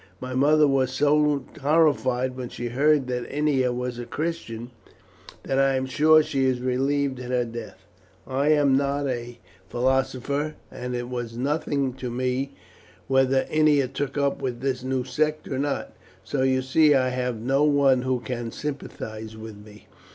My mother was so horrified when she heard that Ennia was a Christian, that I am sure she is relieved at her death. I am not a philosopher, and it was nothing to me whether Ennia took up with this new sect or not. So you see I have no one who can sympathize with me.